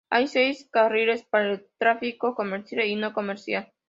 Hay seis carriles para el tráfico comercial y no comercial.